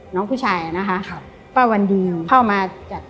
น้องผู้ชายอะนะคะ